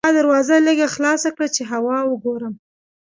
ما دروازه لږه خلاصه کړه چې هوا وګورم.